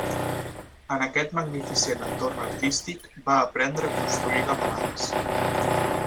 En aquest magnificent entorn artístic va aprendre a construir gamelans.